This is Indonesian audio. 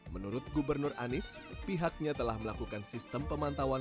menurut gubernur anies pihaknya telah melakukan sistem pemantauan